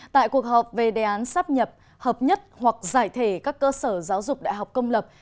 tại cuộc họp về đề án sắp nhập hợp nhất hoặc giải thể các cơ sở giáo dục đại học công lập